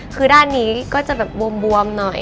คือด้านนี้ก็จะแบบบวมหน่อย